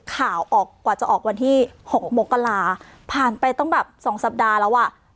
ข่าวออกกว่าจะออกวันที่๖มกราผ่านไปต้องแบบสองสัปดาห์แล้วอ่ะ